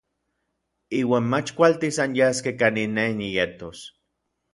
Iuan mach kualtis anyaskej kanin nej nietos.